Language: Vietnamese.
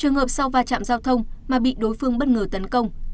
trường hợp sau va chạm giao thông mà bị đối phương bất ngờ tấn công